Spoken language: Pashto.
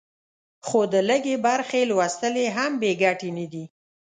خو د لږې برخې لوستل یې هم بې ګټې نه دي.